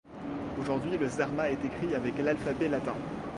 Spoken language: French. Aujourd'hui le zarma est écrit avec l'alphabet latin.